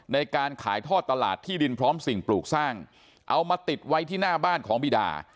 ในการขายทอดตลาดที่ดินพร้อมสิ่งปลูกสร้างเอามาติดไว้ที่หน้าบ้านของบีดา